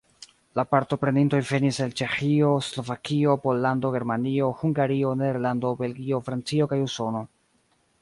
La partoprenintoj venis el Ĉeĥio, Slovakio, Pollando, Germanio, Hungario, Nederlando, Belgio, Francio kaj Usono.